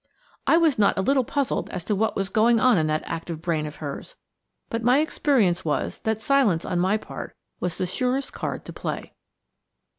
I was not a little puzzled as to what was going on in that active brain of hers, but my experience was that silence on my part was the surest card to play.